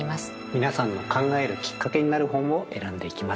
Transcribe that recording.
皆さんの考えるきっかけになる本を選んでいきます。